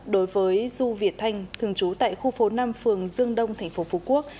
đối với du việt thanh thường trú tại khu phố năm phường dương đông thành phố phú quốc